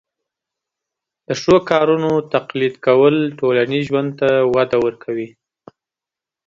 د ښو کارونو تقلید کول ټولنیز ژوند ته وده ورکوي.